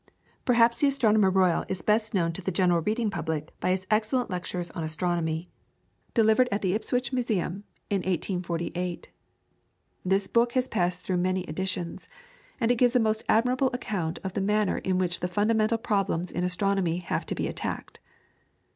Perhaps the Astronomer Royal is best known to the general reading public by his excellent lectures on astronomy, delivered at the Ipswich Museum in 1848. This book has passed through many editions, and it gives a most admirable account of the manner in which the fundamental problems in astronomy have to be attacked.